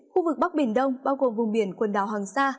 khu vực bắc biển đông bao gồm vùng biển quần đảo hoàng sa